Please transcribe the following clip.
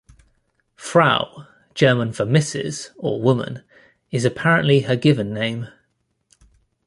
"Frau", German for "Mrs." or "woman", is apparently her given name.